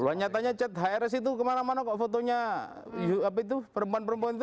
lu nyatanya chat hrs itu kemana mana kok fotonya apa itu perempuan perempuan itu